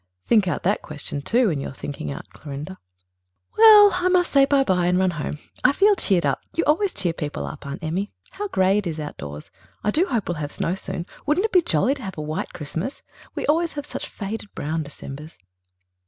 "Think out that question, too, in your thinking out, Clorinda." "Well, I must say bye bye and run home. I feel cheered up you always cheer people up, Aunt Emmy. How grey it is outdoors. I do hope we'll have snow soon. Wouldn't it be jolly to have a white Christmas? We always have such faded brown Decembers."